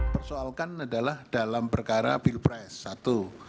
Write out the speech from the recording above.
persoalkan adalah dalam perkara pilpres satu